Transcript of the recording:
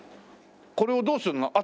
これをどうするの？